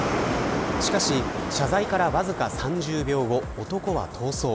しかし、謝罪からわずか３０秒後男は逃走。